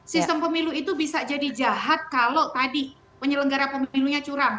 sistem pemilu itu bisa jadi jahat kalau tadi penyelenggara pemilunya curang